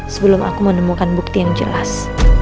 sebelum aku menemukan bukti yang jelas